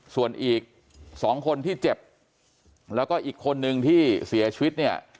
ส่วนอีก๒คนที่เจ็บแล้วก็อีกคนนึงที่เสียชีวิตเนี่ย